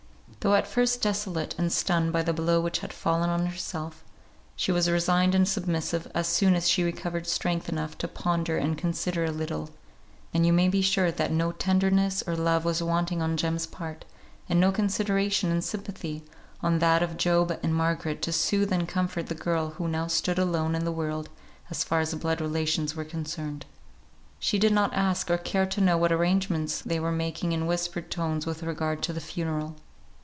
Though at first desolate and stunned by the blow which had fallen on herself, she was resigned and submissive as soon as she recovered strength enough to ponder and consider a little; and you may be sure that no tenderness or love was wanting on Jem's part, and no consideration and sympathy on that of Job and Margaret, to soothe and comfort the girl who now stood alone in the world as far as blood relations were concerned. She did not ask or care to know what arrangements they were making in whispered tones with regard to the funeral.